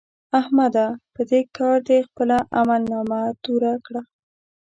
احمده! په دې کار دې خپله عملنامه توره کړه.